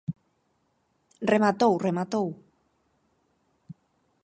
Rematou, rematou.